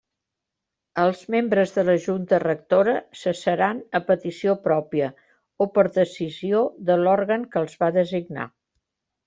Els membres de la Junta Rectora cessaran a petició pròpia o per decisió de l'òrgan que els va designar.